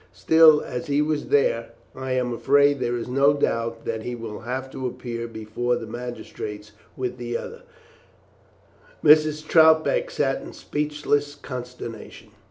Still, as he was there, I am afraid there is no doubt that he will have to appear before the magistrates with the others." Mrs. Troutbeck sat in speechless consternation.